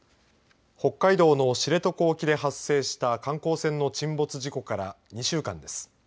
北海道の知床沖で発生した観光船の沈没事故から２週間です。